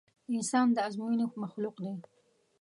انسان د ازموينې مخلوق دی.